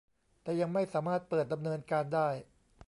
แต่ยังไม่สามารถเปิดดำเนินการได้